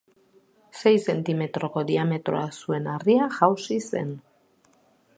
Sei zentimetroko diametroa zuen harria jausi zen.